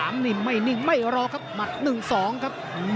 นี่ไม่นิ่งไม่รอครับหมัด๑๒ครับ